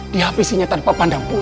di hape sinyal tanpa pandang pun